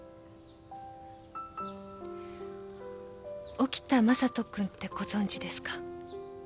沖田将人くんってご存じですか？